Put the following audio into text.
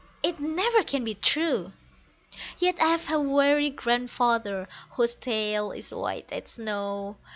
It never can be true! Yet I've a wary grandfather, whose tail is white as snow.